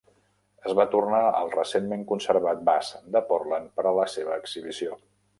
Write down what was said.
Es va tornar el recentment conservat Vas de Portland per a la seva exhibició.